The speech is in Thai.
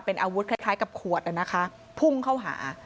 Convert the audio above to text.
เป็นอาวุธคล้ายกับขวดนะคะพุ่งเข้าหา